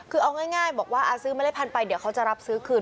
คือเอาง่ายบอกว่าซื้อเมล็ดพันธุไปเดี๋ยวเขาจะรับซื้อคืน